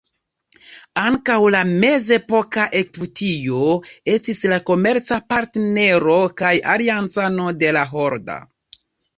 Ankaŭ la mezepoka Egiptio estis la komerca partnero kaj aliancano de la Hordo.